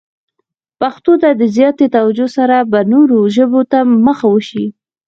پښتو ته د زیاتې توجه سره به نورو ژبو ته مخه وشي.